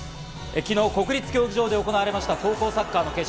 昨日、国立競技場で行われた高校サッカー決勝。